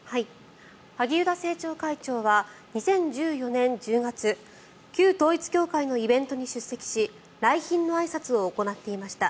萩生田政調会長は２０１４年１０月旧統一教会のイベントに出席し来賓のあいさつを行っていました。